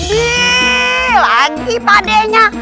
gede lagi padenya